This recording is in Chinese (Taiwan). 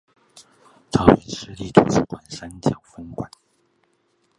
桃園市立圖書館山腳分館